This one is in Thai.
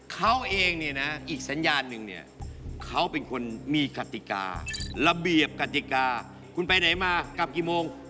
เปิดหลังผีให้ไปบ้านล้าง